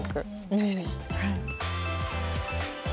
ぜひぜひ。